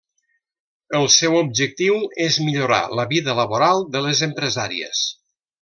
El seu objectiu és millorar la vida laboral de les empresàries.